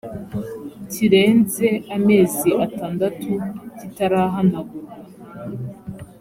kirenze amezi atandatu kitarahanagurwa